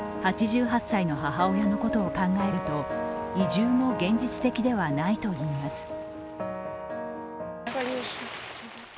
８８歳の母親のことを考えると、移住も現実的ではないといいます。